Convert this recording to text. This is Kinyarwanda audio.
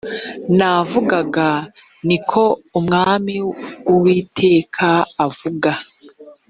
navugaga ni ko umwami uwiteka avuga